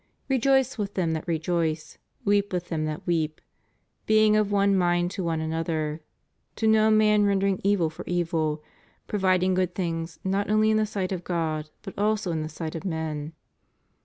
Rejoice with them that rejoice; weep with them that weep; being of one mind to one another; to no man rendering evil for evil; providing good things not only in the sight of God but also in the sight of men."